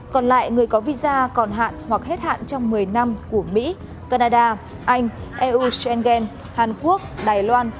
còn lại người có visa còn hạn hoặc hết hạn trong một mươi năm của mỹ canada anh eu schengen hàn quốc đài loan